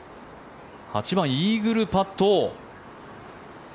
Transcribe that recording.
８番、イーグルパット。